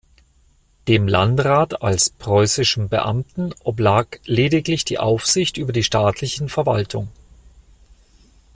Dem Landrat als preußischem Beamten oblag lediglich die Aufsicht über die staatliche Verwaltung.